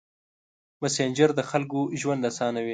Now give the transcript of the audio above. مسېنجر د خلکو ژوند اسانوي.